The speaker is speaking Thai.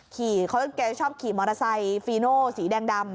แกชอบขี่มอเตอร์ไซค์ฟีโน่สีแดงดำ